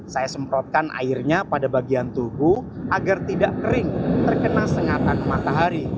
saya semprotkan airnya pada bagian tubuh agar tidak kering terkena sengatan matahari